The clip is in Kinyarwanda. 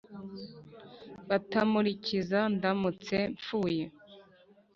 batamurikiza ndamutse mfuye